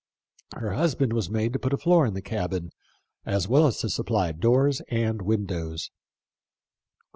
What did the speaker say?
Her husband was made to put a floor in the cabin, as well as to supply doors and windows.